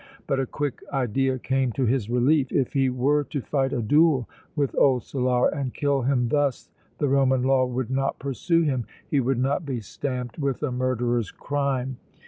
But a quick idea came to his relief if he were to fight a duel with old Solara and kill him thus the Roman law would not pursue him, he would not be stamped with a murderer's crime!